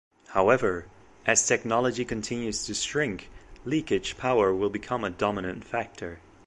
However, as technology continues to shrink, leakage power will become a dominant factor.